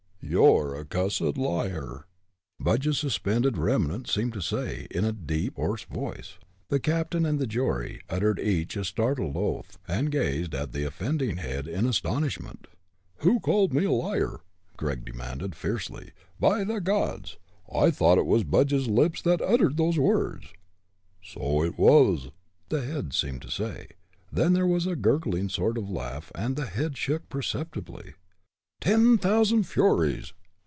"You're a cussed liar!" Budge's suspended remnant seemed to say, in a deep, hoarse voice. The captain and the jury uttered each a startled oath, and gazed at the offending head in astonishment. "Who called me a liar?" Gregg demanded, fiercely. "By the gods, I thought it was Budge's lips that uttered those words." "So it was!" the head seemed to say; then there was a gurgling sort of laugh, and the head shook, perceptibly. "Ten thousand furies!"